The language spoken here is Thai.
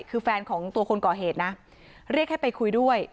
คือแฟนของตัวคนก่อเหตุนะเรียกให้ไปคุยด้วย